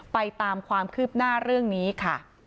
ตามความคืบหน้าเรื่องนี้ค่ะ